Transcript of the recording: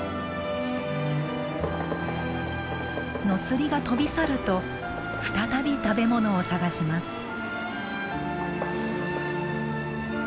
ノスリが飛び去ると再び食べ物を探します。